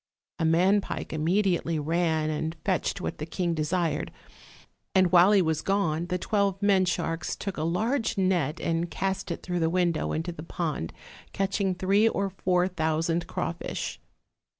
A man pike immediately ran and fetched what the king OLD, OLD FAIRY TALES. 311 desired; and while he was gone the twelve men sharks took a large net and cast it through the window into the pond, catching three or four thousand crawfish.